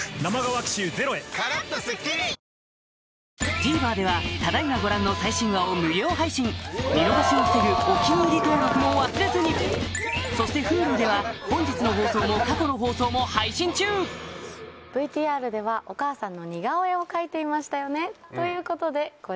ＴＶｅｒではただ今ご覧の最新話を無料配信見逃しを防ぐ「お気に入り」登録も忘れずにそしてＨｕｌｕでは本日の放送も過去の放送も配信中ＶＴＲでは。ということでこちら。